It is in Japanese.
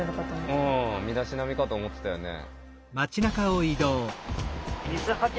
うん身だしなみかと思ってたよね。